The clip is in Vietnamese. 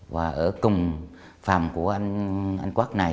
và ở cùng phàm của anh quác này